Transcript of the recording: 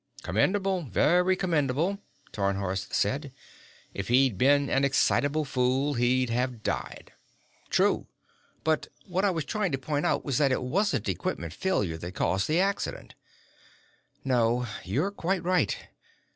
"Commendable; very commendable," Tarnhorst said. "If he'd been an excitable fool, he'd have died." "True. But what I was trying to point out was that it wasn't equipment failure that caused the accident." "No. You're quite right."